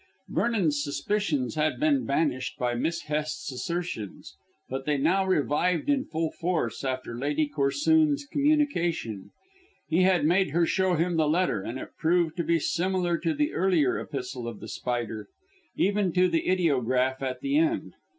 Vernon's suspicions had been banished by Miss Hest's assertions, but they now revived in full force after Lady Corsoon's communication. He had made her show him the letter, and it proved to be similar to the earlier epistle of The Spider, even to the ideograph at the end.